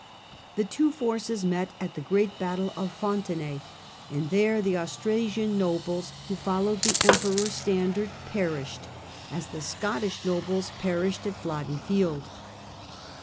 The two forces met at the great battle of Fontenay, and there the Austrasian nobles who followed the Emperor's standard perished, as the Scottish nobles perished at Flodden Field.